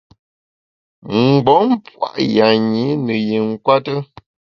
Mgbom pua’ yanyi ne yi nkwete.